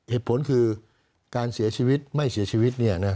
เหตุผลคือการเสียชีวิตไม่เสียชีวิต